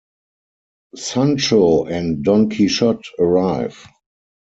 Sancho and Don Quichotte arrive.